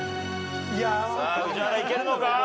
さあ宇治原いけるのか？